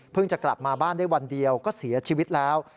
จะกลับมาบ้านได้วันเดียวก็เสียชีวิตแล้ว